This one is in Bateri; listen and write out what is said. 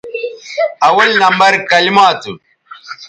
اول نمبر کلما تھو